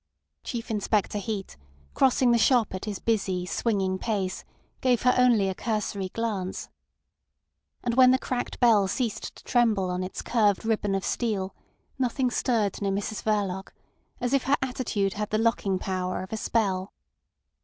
Chief Inspector Heat, crossing the shop at his busy, swinging pace, gave her only a cursory glance. And when the cracked bell ceased to tremble on its curved ribbon of steel nothing stirred near Mrs Verloc, as if her attitude had the locking power of a spell.